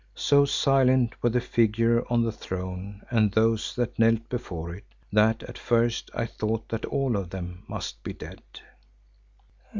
So silent were the figure on the throne and those that knelt before it, that at first I thought that all of them must be dead.